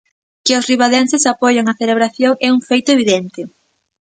Que os ribadenses apoian a celebración é un feito evidente.